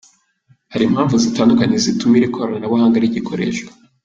Hari impamvu zitandukanye zituma iri koranabuhanga rigikoreshwa.